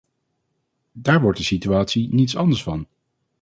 Daar wordt de situatie niets anders van.